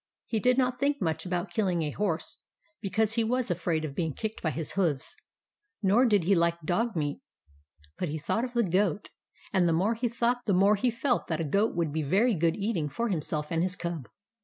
He did not think much about killing a horse, because he was afraid of being kicked by his hoofs, nor did he like dog meat ; but he thought of the Goat, and the more he thought the more he felt that a goat would be very good eat ing for himself and his cub.